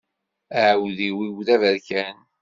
Aɛudiw-iw d aberkan.